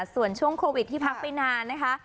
ส่วนช่วงโควิดที่พักไปนานนะคะ